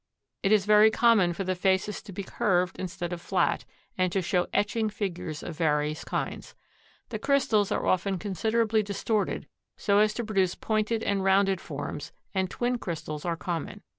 It is very common for the faces to be curved instead of flat and to show etching figures of various kinds. The crystals are often considerably distorted so as to produce pointed and rounded forms, and twin crystals are common.